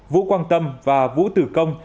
vũ quang tâm và vũ tử công